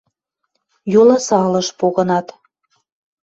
Йоласалыш погынат.